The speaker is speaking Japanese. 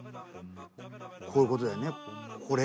こういうことだよねこれ。